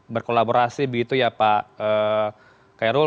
berkolaborasi begitu ya pak kairul